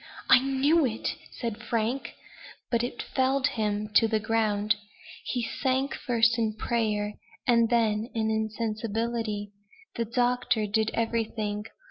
"I knew it," said Frank. But it felled him to the ground. He sank first in prayer, and then in insensibility. The doctor did everything.